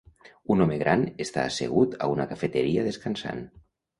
Un home gran està assegut a una cafeteria descansant.